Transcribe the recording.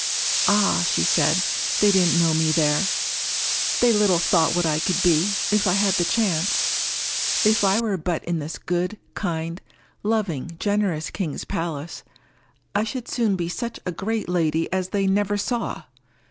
"Ah!" she said, "they didn't know me there. They little thought what I could be, if I had the chance. If I were but in this good, kind, loving, generous king's palace, I should soon be such a great lady as they never saw!